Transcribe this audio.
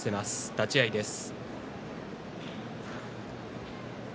立ち合いです。